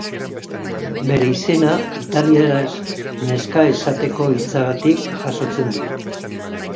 Bere izena italieraz neska esateko hitzagatik jasotzen du.